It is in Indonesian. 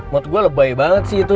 menurut gue lebay banget sih itu